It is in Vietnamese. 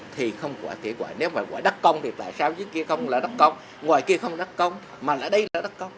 thì không có thể gọi nếu mà gọi đất công thì tại sao dưới kia không là đất công ngoài kia không là đất công mà ở đây là đất công